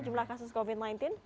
jumlah kasus covid sembilan belas